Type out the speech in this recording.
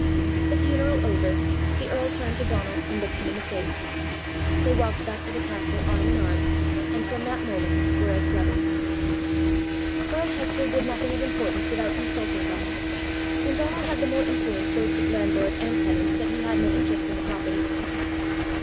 The funeral over, the earl turned to Donal and looked him in the face: they walked back to the castle arm in arm, and from that moment were as brothers. Earl Hector did nothing of importance without consulting Donal, and Donal had the more influence both with landlord and tenants that he had no interest in the property.